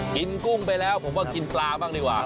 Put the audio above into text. กุ้งไปแล้วผมว่ากินปลาบ้างดีกว่า